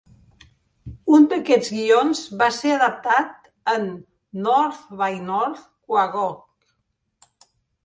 Un d'aquests guions va ser adaptat en "North by North Quahog".